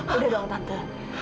udah doang tante